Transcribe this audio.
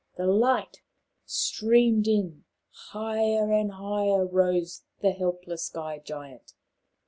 The light streamed in. Higher and higher rose the helpless Sky giant.